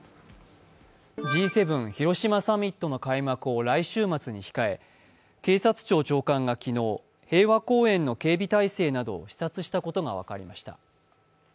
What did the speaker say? Ｇ７広島サミットの開幕を来週末に控え警察庁長官が昨日、平和公園の警備態勢などを視察したことが分かりました。